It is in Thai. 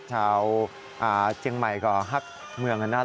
เชียงใหม่ก็ฮักเมืองนะครับ